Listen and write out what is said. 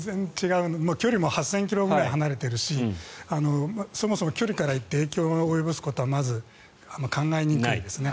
距離も８０００ｋｍくらい離れてるしそもそも距離から言って影響を及ぼすことは考えにくいですね。